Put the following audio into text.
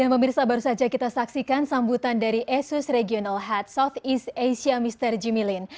dan memirsa baru saja kita saksikan sambutan dari asus regional head southeast asia mr jimmy lin